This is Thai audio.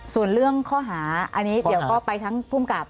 ส่วนเรื่องข้อหาอันนี้เดี๋ยวก็ไปทั้งภูมิกับ